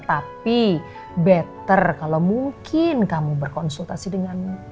tapi better kalau mungkin kamu berkonsultasi denganmu